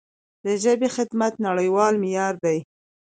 د ژبې خدمت نړیوال معیار دی.